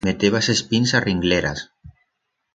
Metebas es pins a ringleras.